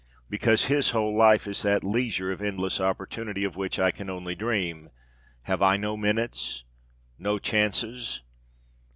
Because his whole life is that leisure of endless opportunity of which I can only dream, have I no minutes, no chances?